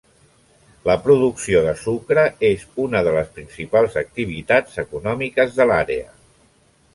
La producció de sucre és una de les principals activitats econòmiques de l'àrea.